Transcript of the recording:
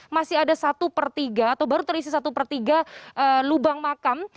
masih ada satu per tiga atau baru terisi satu per tiga lubang makam